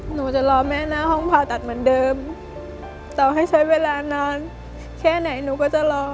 หนูจะรอแม่หน้าห้องผ่าตัดเหมือนเดิมต่อให้ใช้เวลานานแค่ไหนหนูก็จะรอ